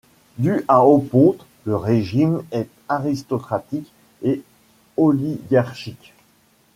Du à Oponte le régime est aristocratique et oligarchique.